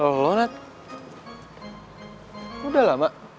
lo loanet udah lah mak